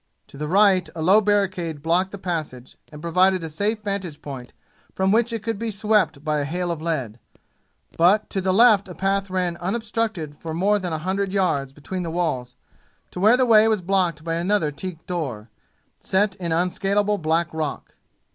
To the right a low barricade blocked the passage and provided a safe vantage point from which it could be swept by a hail of lead; but to the left a path ran unobstructed for more than a hundred yards between the walls, to where the way was blocked by another teak door, set in unscalable black rock.